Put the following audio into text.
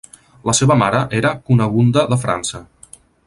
La seva mare era Cunegunda de França.